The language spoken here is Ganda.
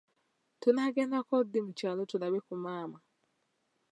Tunaagendako ddi mu kyalo tulabe ku maama.